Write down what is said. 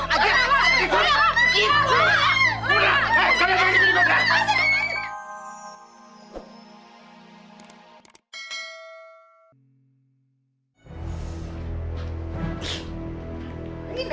asal karena dia